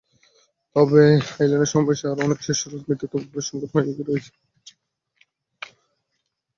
তবে আয়লানের সমবয়সী আরও অনেক শিশুর মৃত্যু কেবল পরিসংখ্যান হয়েই রয়ে গেছে।